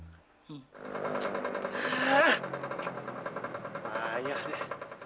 kamu yang jalan jalan